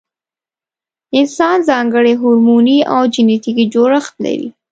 انسان ځانګړی هورموني او جنټیکي جوړښت لري.